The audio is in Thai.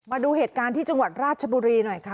มาดูเหตุการณ์ที่จังหวัดราชบุรีหน่อยค่ะ